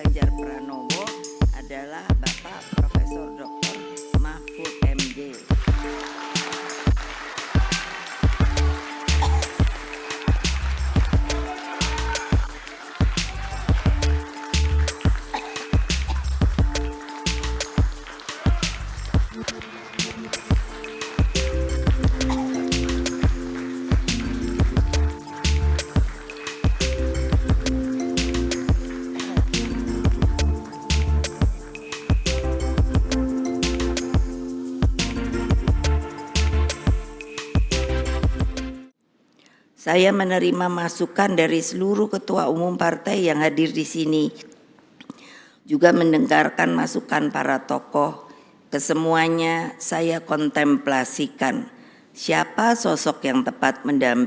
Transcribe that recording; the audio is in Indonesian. yang akan mendampingi bapak ganjar pranowo adalah bapak prof dr mahfud mj